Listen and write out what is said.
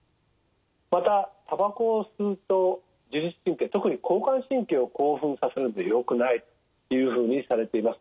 またたばこを吸うと自律神経特に交感神経を興奮させるんでよくないというふうにされています。